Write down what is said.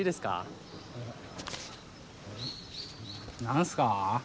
何すか？